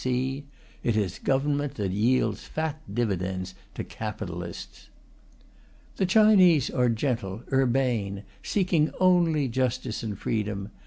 B.C.: it is government that yields fat dividends to capitalists. The Chinese are gentle, urbane, seeking only justice and freedom.